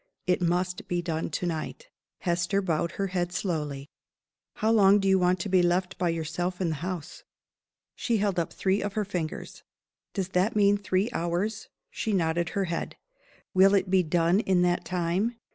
It must be done to night." Hester bowed her head slowly. "How long do you want to be left by yourself in the house?" She held up three of her fingers. "Does that mean three hours?" She nodded her head. "Will it be done in that time?"